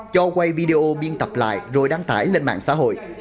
cho quay video biên tập lại rồi đăng tải lên mạng xã hội